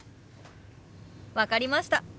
分かりました。